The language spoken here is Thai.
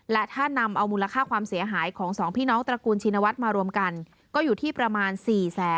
และถ้านำเอามูลค่าความเสียหายของสองพี่น้องตระกูลชินวัฒน์มารวมกันก็อยู่ที่ประมาณ๔แสน